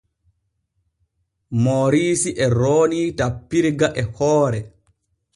Mooriisi e roonii tappirga e hoore.